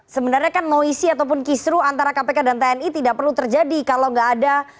sebenarnya kan noisi ataupun kisru antara kpk dan tni tidak perlu terjadi kalau nggak ada